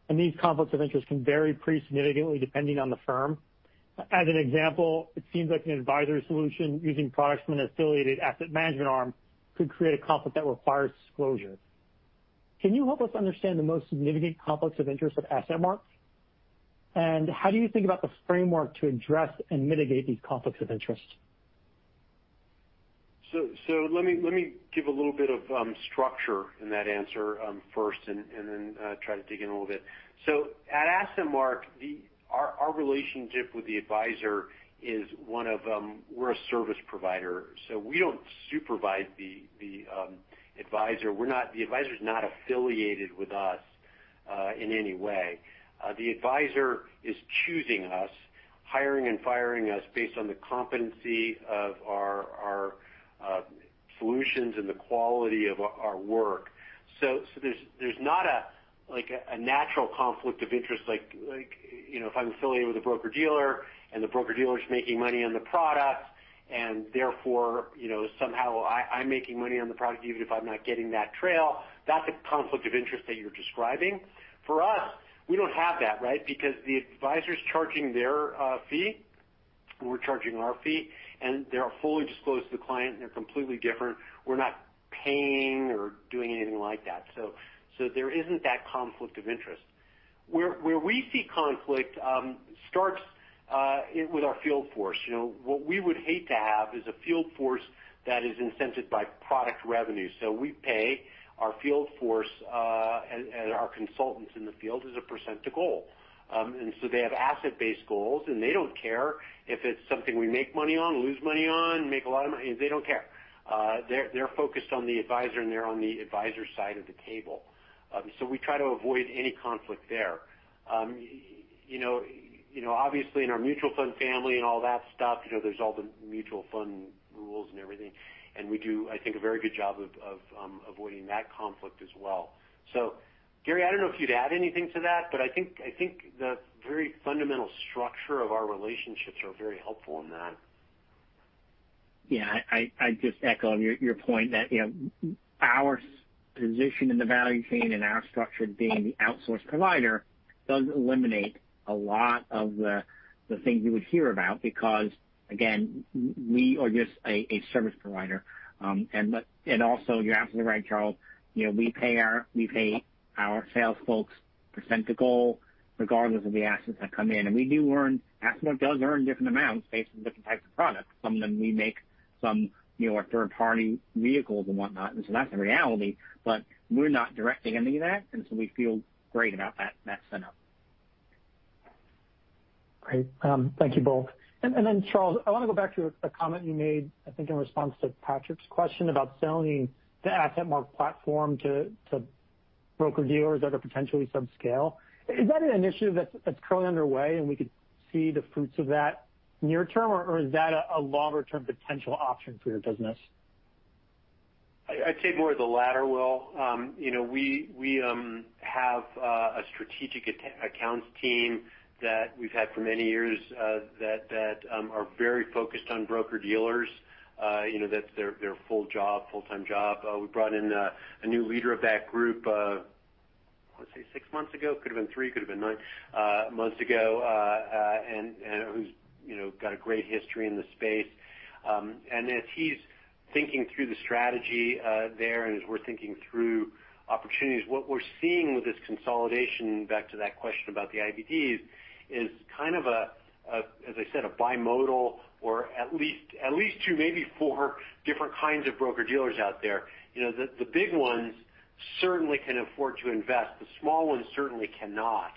and these conflicts of interest can vary pretty significantly depending on the firm. As an example, it seems like an advisory solution using products from an affiliated asset management arm could create a conflict that requires disclosure. Can you help us understand the most significant conflicts of interest at AssetMark? And how do you think about the framework to address and mitigate these conflicts of interest? Let me give a little bit of structure in that answer first and then try to dig in a little bit. At AssetMark, our relationship with the advisor is we're a service provider, so we don't supervise the advisor. The advisor's not affiliated with us in any way. The advisor is choosing us, hiring and firing us based on the competency of our solutions and the quality of our work. There's not a natural conflict of interest like if I'm affiliated with a broker-dealer and the broker-dealer's making money on the product, and therefore, somehow I'm making money on the product even if I'm not getting that trail. That's a conflict of interest that you're describing. For us, we don't have that, right? Because the advisor's charging their fee, and we're charging our fee, and they are fully disclosed to the client, and they're completely different. We're not paying or doing anything like that. There isn't that conflict of interest. Where we see conflict starts with our field force. What we would hate to have is a field force that is incented by product revenue. We pay our field force, and our consultants in the field as a percent to goal. They have asset-based goals, and they don't care if it's something we make money on, lose money on, make a lot of money. They don't care. They're focused on the advisor, and they're on the advisor side of the table. We try to avoid any conflict there. You know, obviously, in our mutual fund family and all that stuff, there's all the mutual fund rules and everything. We do, I think, a very good job of avoiding that conflict as well. Gary, I don't know if you'd add anything to that, but I think the very fundamental structure of our relationships are very helpful in that. Yeah. I'd just echo your point that our position in the value chain and our structure being the outsource provider does eliminate a lot of the things you would hear about because, again, we are just a service provider. And also, you're absolutely right, Charles. We pay our sales folks percent to goal regardless of the assets that come in. AssetMark does earn different amounts based on different types of products. Some of them we make, some are third-party vehicles and whatnot. That's the reality. But, we're not directing any of that, and so we feel great about that setup. Great. Thank you both. Charles, I want to go back to a comment you made, I think in response to Patrick's question about selling the AssetMark platform to broker-dealers that are potentially subscale. Is that an initiative that's currently underway, and we could see the fruits of that near term, or is that a longer-term potential option for your business? I'd say more the latter, Will. We have a strategic accounts team that we've had for many years that are very focused on broker-dealers. That's their full-time job. We brought in a new leader of that group, I want to say six months ago. Could've been three, could've been nine months ago, who's got a great history in the space. As he's thinking through the strategy there and as we're thinking through opportunities, what we're seeing with this consolidation, back to that question about the IBDs, is kind of a, as I said, a bimodal or at least two, maybe four different kinds of broker-dealers out there. You know, the big ones certainly can afford to invest. The small ones certainly cannot.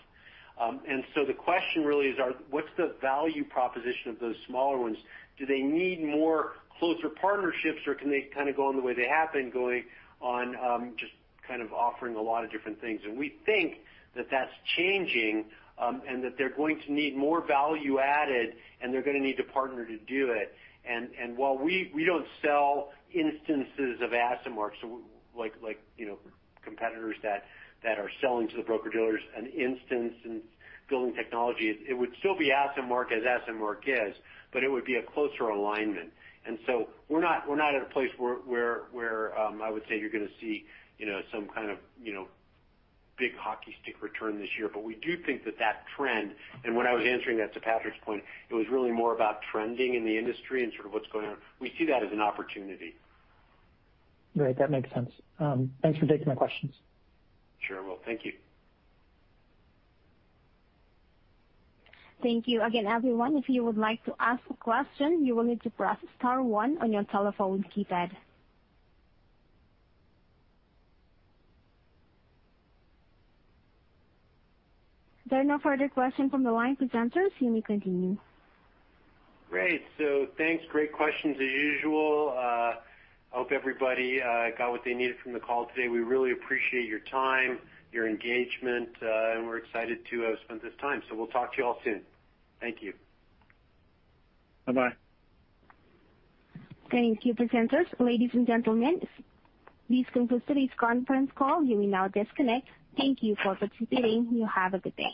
And so, the question really is what's the value proposition of those smaller ones? Do they need more closer partnerships, or can they go on the way they have been going on just kind of offering a lot of different things? We think that that's changing, and that they're going to need more value added, and they're going to need to partner to do it. While we don't sell instances of AssetMark, so like, you know, competitors that are selling to the broker-dealers an instance and building technology. It would still be AssetMark as AssetMark is, but it would be a closer alignment. We're not at a place where I would say you're going to see, y know, some kind of big hockey stick return this year. We do think that that trend, and when I was answering that to Patrick's point, it was really more about trending in the industry and sort of what's going on. We see that as an opportunity. Right. That makes sense. Thanks for taking my questions. Sure, Will. Thank you. Thank you. Again, everyone, if you would like to ask a question, you will need to press star one on your telephone keypad. There are no further questions from the line. Presenters, you may continue. Great. Thanks. Great questions as usual. Hope everybody got what they needed from the call today. We really appreciate your time, your engagement, and we're excited to have spent this time. We'll talk to you all soon. Thank you. Bye-bye. Thank you, presenters. Ladies and gentlemen, this concludes today's conference call. You may now disconnect. Thank you for participating. You have a good day.